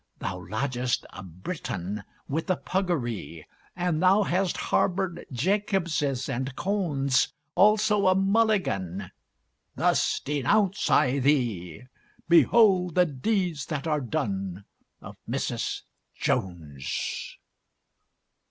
Thou lodgest a Briton with a puggaree, And thou hast harbored Jacobses and Cohns, Also a Mulligan. Thus denounce I thee! Behold the deeds that are done of Mrs. Jones!